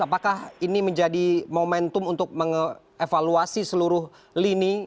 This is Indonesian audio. apakah ini menjadi momentum untuk mengevaluasi seluruh lini